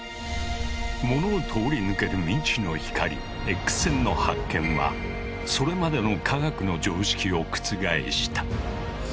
物を通り抜ける未知の光Ｘ線の発見はそれまでの科学の常識を覆した。